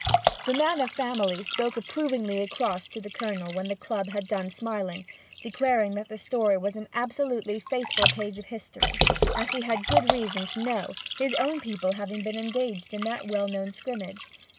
The Man of Family spoke approvingly across to the Colonel when the Club had done smiling, declaring that the story was an absolutely faithful page of history, as he had good reason to know, his own people having been engaged in that well known scrimmage.